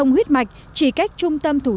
ở khu vực này thì